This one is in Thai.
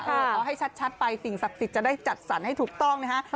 เอาให้ชัดไปสิ่งศักดิ์สิทธิ์จะได้จัดสรรให้ถูกต้องนะฮะ